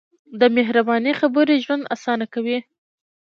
د مهربانۍ خبرې ژوند اسانه کوي.